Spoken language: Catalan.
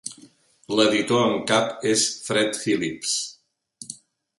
L'editor en cap és Fred Phillips.